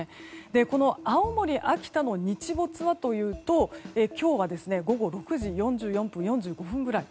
この青森、秋田の日没はというと今日は午後６時４５分ぐらい。